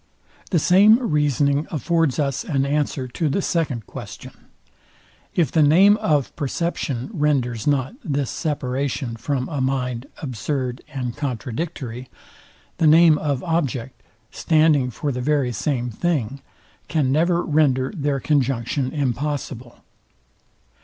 The same reasoning affords us an answer to the second question. If the name of perception renders not this separation from a mind absurd and contradictory, the name of object, standing for the very same thing, can never render their conjunction impossible.